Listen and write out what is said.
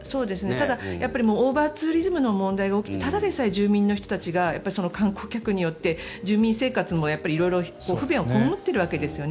ただオーバーツーリズムの問題が起きてただでさえ住民の人たちが観光客によって住民生活も被害を被っているわけですよね。